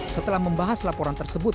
setelah membahas laporan tersebut